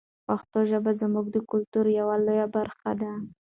پښتو ژبه زموږ د کلتور یوه لویه برخه ده.